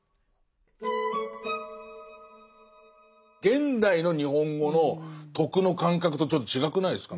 現代の日本語の徳の感覚とちょっと違くないですか？